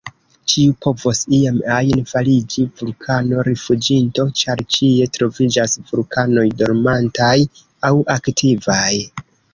Ĉiu povos iam ajn fariĝi vulkano-rifuĝinto, ĉar ĉie troviĝas vulkanoj dormantaj aŭ aktivaj.